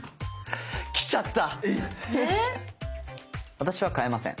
私は換えません。